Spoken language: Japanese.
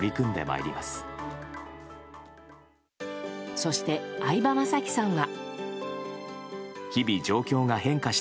そして、相葉雅紀さんは。